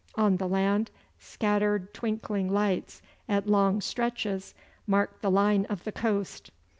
On the land, scattered twinkling lights at long stretches marked the line of the coast.